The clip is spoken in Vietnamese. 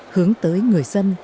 hướng tới người dân